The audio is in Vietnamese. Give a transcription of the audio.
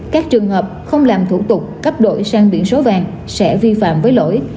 các trường hợp không làm thủ tục cấp đổi sang biển số vàng sẽ vi phạm với lỗi